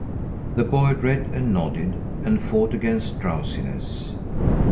The boy read and nodded and fought against drowsiness.